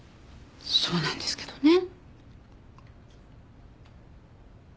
そうなんですけどね。